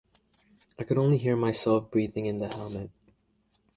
I could only hear myself breathing in the helmet.